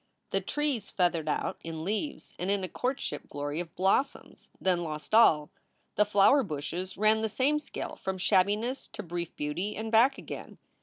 The trees feathered out in leaves and in a courtship glory of blossoms, then lost all. The flower bushes ran the same scale from shabbiness to brief beauty and back again.